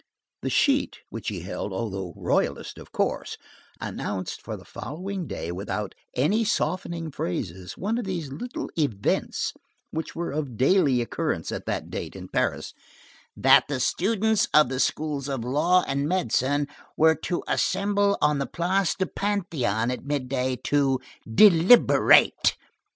The "sheet" which he held, although Royalist, of course, announced for the following day, without any softening phrases, one of these little events which were of daily occurrence at that date in Paris: "That the students of the schools of law and medicine were to assemble on the Place du Panthéon, at midday,—to deliberate."